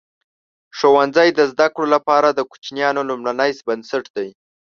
ښوونځی د زده کړو لپاره د ماشومانو لومړنۍ بنسټ دی.